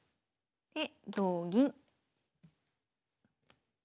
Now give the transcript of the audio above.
で同銀。